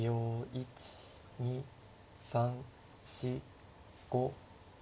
１２３４５６７。